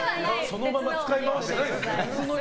そのまま使い回してないです。